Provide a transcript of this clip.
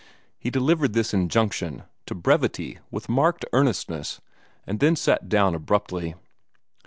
He delivered this injunction to brevity with marked earnestness, and then sat down abruptly.